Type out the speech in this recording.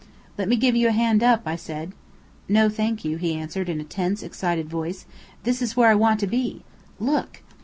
"Let me give you a hand up," I said. "No thank you," he answered, in a tense, excited voice. "This is where I want to be. Look!"